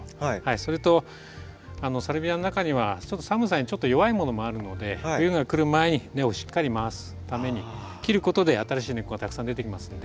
それとサルビアの中には寒さにちょっと弱いものもあるので冬が来る前に根をしっかり回すために切ることで新しい根っこがたくさん出てきますんで。